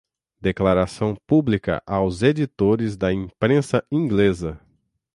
Declaração Pública aos Editores da Imprensa Inglesa